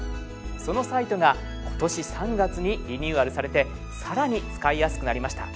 そのサイトが今年３月にリニューアルされて更に使いやすくなりました。